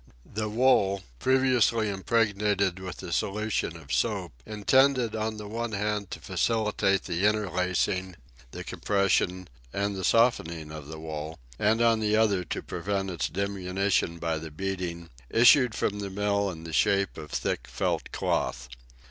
The wool, previously impregnated with a solution of soap, intended on the one hand to facilitate the interlacing, the compression, and the softening of the wool, and on the other to prevent its diminution by the beating, issued from the mill in the shape of thick felt cloth.